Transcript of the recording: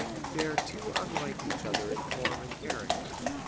"They are too unlike each other in form and character."